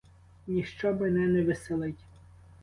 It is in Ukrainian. Ніщо мене не веселить.